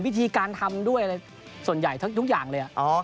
วิธีการทำด้วยอะไรส่วนใหญ่ทุกอย่างเลย